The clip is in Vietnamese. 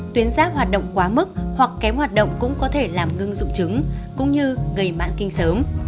tuyến giáp hoạt động quá mức hoặc kém hoạt động cũng có thể làm ngưng rụng trứng cũng như gây mãn kinh sớm